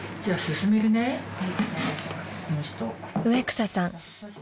［植草さん